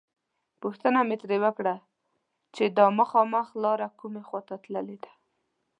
پوښتنه مې ترې وکړه چې دا مخامخ لاره کومې خواته تللې ده.